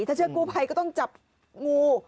ถ้าเชื่อกู้ภัยก็ต้องจับงู